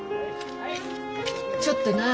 ちょっと何？